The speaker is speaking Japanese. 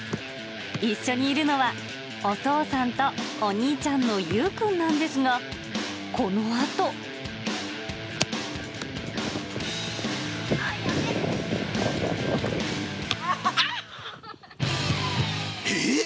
一緒にいるのは、お父さんとお兄ちゃんの勇君なんですが、このあと。あっ、やべっ！